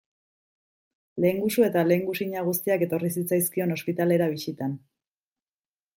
Lehengusu eta lehengusina guztiak etorri zitzaizkion ospitalera bisitan.